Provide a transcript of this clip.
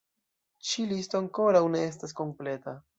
Ĉi-listo ankoraŭ ne estas kompleta.